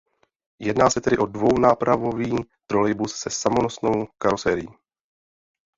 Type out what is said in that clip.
Jedná se tedy o dvounápravový trolejbus se samonosnou karoserií.